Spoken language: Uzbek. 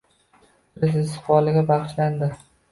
Turizm istiqboliga bagʻishlandi